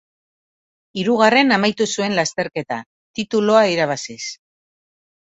Hirugarren amaitu zuen lasterketa, tituloa irabaziz.